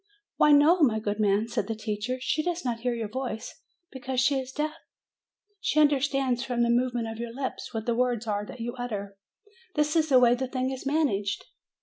"Why, no, my good man," said the teacher; "she does not hear your voice, because she is deaf. She understands from the movements of your lips what the words are that you utter ; this is the way the thing is managed.